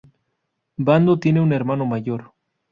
Bando tiene un hermano mayor.